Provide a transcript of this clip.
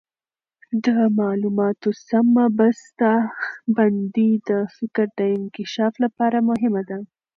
د معلوماتو سمه بسته بندي د فکر د انکشاف لپاره مهمه ده.